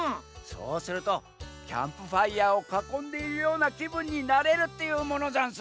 そうするとキャンプファイヤーをかこんでいるようなきぶんになれるっていうものざんす。